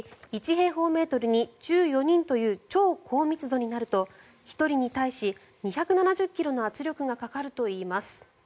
平方メートルに１４人という超高密度になると１人に対し２７０ｋｇ以上の圧力がかかるといいます。